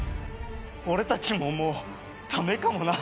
俺たちももう駄目かもな。